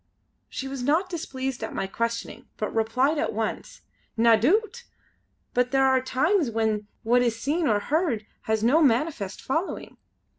She was not displeased at my questioning but replied at once: "Na doot! but there are times when what is seen or heard has no manifest following.